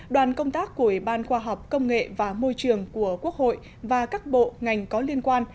đoàn công tác của ủy ban khoa học công nghệ và môi trường của quốc hội và các bộ ngành có liên quan